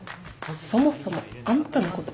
そもそもあんたのこと